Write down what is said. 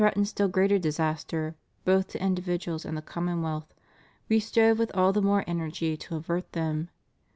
ened still greater disaster, both to individuals and the commonwealth, We strove with all the more energy to avert them.